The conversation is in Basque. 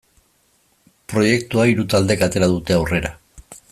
Proiektua hiru taldek atera dute aurrera.